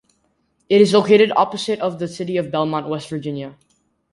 It is located opposite of the city of Belmont, West Virginia.